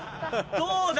どうだ？